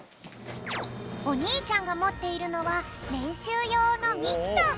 おにいちゃんがもっているのはれんしゅうようのミット。